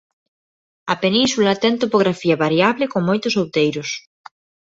A península ten topografía variable con moitos outeiros.